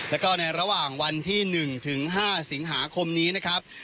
แล้วก็ในระหว่างวันที่๑ถึง๕สิงหาคมนี้นะครับ